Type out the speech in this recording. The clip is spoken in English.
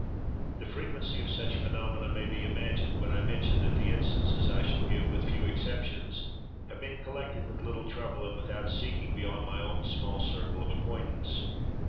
The frequency of such phenomena may be imagined, when I mention that the instances I shall give, with few exceptions, have been collected with little trouble, and without seeking beyond my own small circle of acquaintance.